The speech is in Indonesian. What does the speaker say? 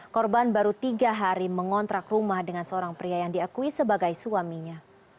korban baru tiga hari mengontrak rumah dengan seorang pria yang diakui sebagai suaminya